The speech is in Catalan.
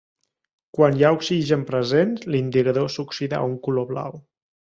Quan hi ha oxigen present, l'indicador s'oxida a un color blau.